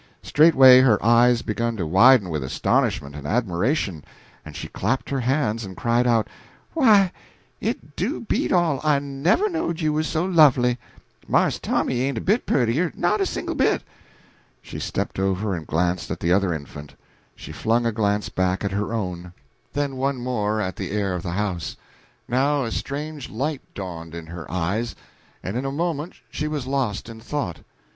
Straightway her eyes began to widen with astonishment and admiration, and she clapped her hands and cried out, "Why, it do beat all! I never knowed you was so lovely. Marse Tommy ain't a bit puttier not a single bit." She stepped over and glanced at the other infant; she flung a glance back at her own; then one more at the heir of the house. Now a strange light dawned in her eyes, and in a moment she was lost in thought.